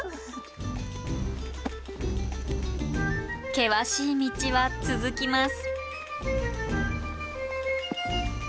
険しい道は続きます。